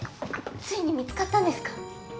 ついに見つかったんですか？